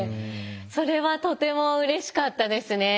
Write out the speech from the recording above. それはとてもうれしかったですね。